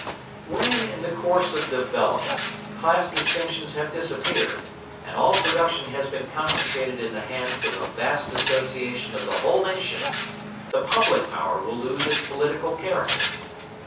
When, in the course of development, class distinctions have disappeared, and all production has been concentrated in the hands of a vast association of the whole nation, the public power will lose its political character.